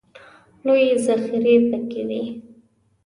لویې ذخیرې پکې وې.